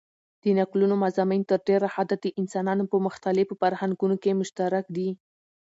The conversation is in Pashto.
د نکلونو مضامن تر ډېره حده دانسانانو په مختلیفو فرهنګونو کښي مشترک دي.